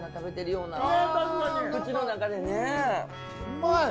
うまい！